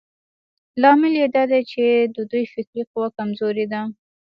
لامل يې دا دی چې د دوی فکري قوه کمزورې ده.